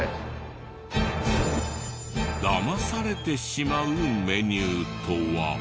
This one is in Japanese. ダマされてしまうメニューとは？